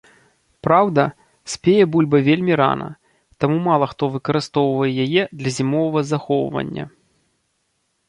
Праўда, спее бульба вельмі рана, таму мала хто выкарыстоўвае яе для зімовага захоўвання.